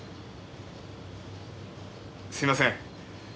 すいません。